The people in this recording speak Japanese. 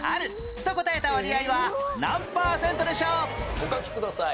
お書きください。